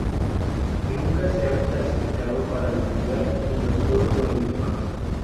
Nunca se han clasificado para el Mundial ni los Juegos Olímpicos.